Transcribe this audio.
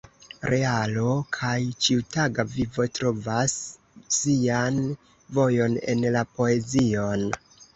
Realo kaj ĉiutaga vivo trovas sian vojon en la poezion.